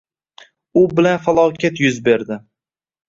U bilan falokat yuz berdi